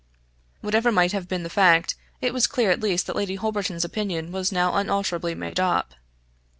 } Whatever might have been the fact, it was clear at least that Lady Holberton's opinion was now unalterably made up.